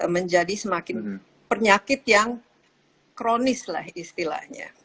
menjadi semakin penyakit yang kronis lah istilahnya